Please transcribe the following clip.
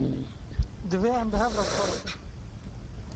Divê em bi hev re kar bikin